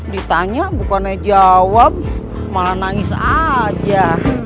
ditanya bukannya jawab malah nangis aja